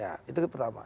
ya itu pertama